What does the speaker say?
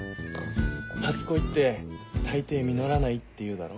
初恋って大抵実らないっていうだろ？